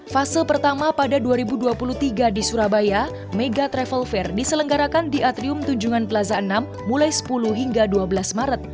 fase pertama pada dua ribu dua puluh tiga di surabaya mega travel fair diselenggarakan di atrium tunjungan plaza enam mulai sepuluh hingga dua belas maret